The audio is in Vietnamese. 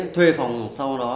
thuê phòng sau đó